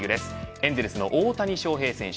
エンゼルスの大谷翔平選手